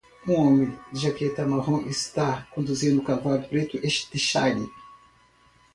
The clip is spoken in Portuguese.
Um homem de jaqueta marrom está conduzindo um cavalo preto de shire.